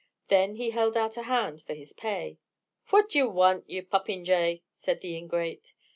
Then he held out a hand for his pay. "Phwat do yez want, ye poppinjay?" said the ingrate.